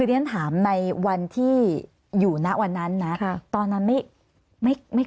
แต่ถ้าถามในวันที่อยู่หน้าวันนั้นนะตอนนั้นไม่คุก